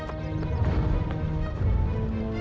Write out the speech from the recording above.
nanti aku akan datang